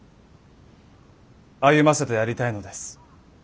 歩ませてやりたいのです。